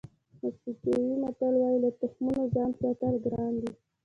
مکسیکوي متل وایي له تخمونو ځان ساتل ګران دي.